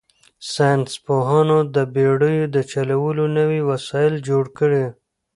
ساینس پوهانو د بېړیو د چلولو نوي وسایل جوړ کړل.